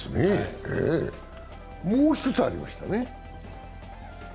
もう一つありましたね。